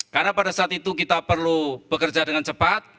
karena pada saat itu kita perlu bekerja dengan cepat